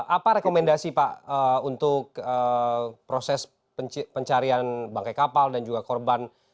apa rekomendasi pak untuk proses pencarian bangkai kapal dan juga korban